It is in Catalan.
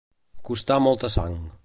Costar molta sang.